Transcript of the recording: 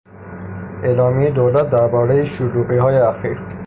اعلامیهی دولت دربارهی شلوغیهای اخیر